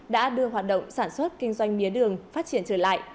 đã đưa hoạt động sản xuất kinh doanh mía đường phát triển trở lại